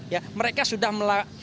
ya mereka sudah melak